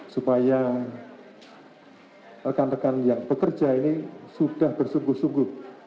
supaya rekan rekan yang bekerja ini sudah bersungguh sungguh